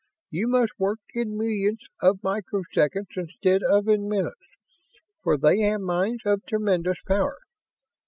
You must work in millionths of microseconds instead of in minutes, for they have minds of tremendous power.